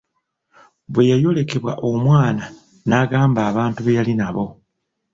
Bwe yayolekebwa omwana n'agamba abantu be yali nabo.